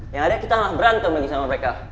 yang ada kita nggak berantem lagi sama mereka